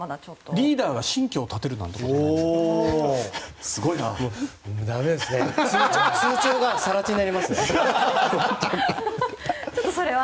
リーダーが新居を建てるなんてのは？